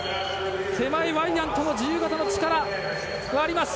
手前、ワイヤント自由形の力があります。